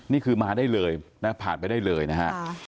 นี่คือมาได้เลยนะผ่านไปได้เลยนะฮะ